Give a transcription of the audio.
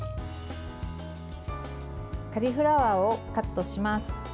カリフラワーをカットします。